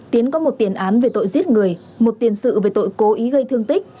tiến có một tiền án về tội giết người một tiền sự về tội cố ý gây thương tích